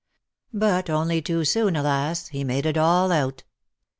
But only too soon, alas J he made it all out.